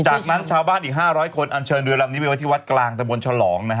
จากนั้นชาวบ้านอีก๕๐๐คนอันเชิญเรือนแบบนี้ไปวัดกลางตะบนชะหลอง